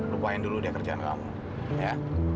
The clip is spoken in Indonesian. lupain dulu dia kerjaan kamu ya